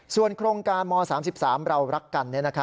ส่วนโครงการม๓๓เรารักกัน